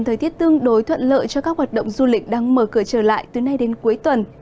thời tiết tương đối thuận lợi cho các hoạt động du lịch đang mở cửa trở lại từ nay đến cuối tuần